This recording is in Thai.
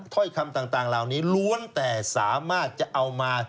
ถ้อยคำต่างเหล่านี้ล้วนแต่สามารถจะเอามา